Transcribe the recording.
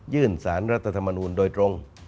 ยื่นสารรัฐธรรมนุนโดยตรง